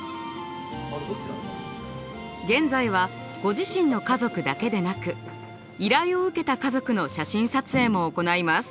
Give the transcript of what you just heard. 現在はご自身の家族だけでなく依頼を受けた家族の写真撮影も行います。